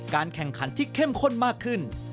แข่งขันที่เข้มข้นมากขึ้น